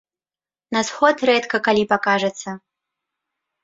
На сход рэдка калі пакажацца.